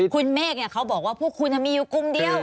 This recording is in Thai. คุณเมฆเขาบอกว่าพวกคุณมีอยู่กลุ่มเดียว